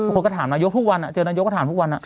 คนก็ถามนายกทุกวันเจอนายกก็ถามทุกวัน